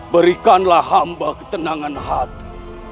berikanlah hamba ketenangan hati